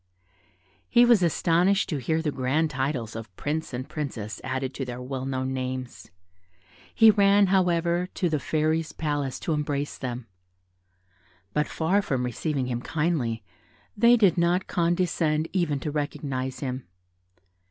He was astonished to hear the grand titles of prince and princess added to their well known names, he ran, however, to the Fairy's palace to embrace them; but far from receiving him kindly, they did not condescend even to recognise him.